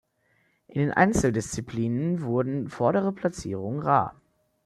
In den Einzeldisziplinen wurden vordere Platzierungen rahr.